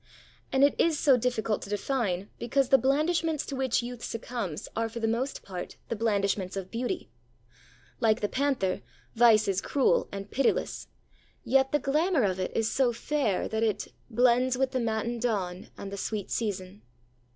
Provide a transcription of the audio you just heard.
And it is so difficult to define because the blandishments to which youth succumbs are for the most part the blandishments of beauty. Like the panther, vice is cruel and pitiless; yet the glamour of it is so fair that it 'blends with the matin dawn and the sweet season.'